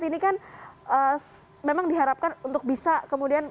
ini kan memang diharapkan untuk bisa kemudian